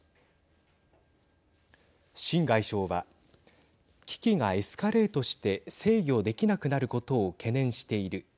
秦外相は危機がエスカレートして制御できなくなることを懸念している。